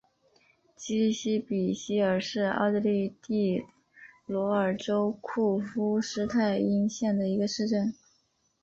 基希比希尔是奥地利蒂罗尔州库夫施泰因县的一个市镇。